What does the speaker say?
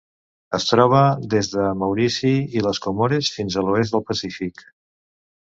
Es troba des de Maurici i les Comores fins a l'oest del Pacífic.